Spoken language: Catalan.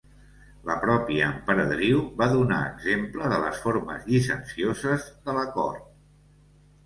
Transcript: La pròpia Emperadriu va donar exemple de les formes llicencioses de la cort.